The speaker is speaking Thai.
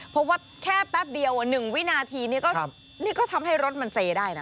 เพราะว่าแค่แป๊บเดียว๑วินาทีนี่ก็นี่ก็ทำให้รถมันเซได้นะ